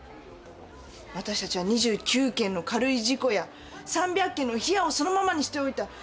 私たちは２９件の軽い事故や３００件のヒヤッをそのままにしておいた。